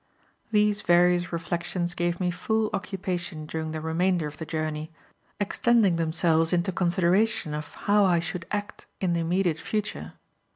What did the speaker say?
These various reflections gave me full occupation during the remainder of the journey, extending themselves into consideration of how I should act in the immediate future.